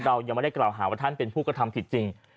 เรายังไม่ได้กล่าวหาว่าท่านเป็นผู้กระทำผิดจริง